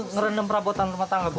ngerendam perabotan rumah tangga bu